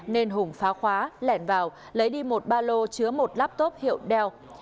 nên hùng phá khóa lẻn vào lấy đi một ba lô chứa một laptop hiệu đeo